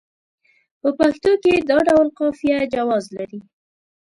په پښتو کې دا ډول قافیه جواز لري.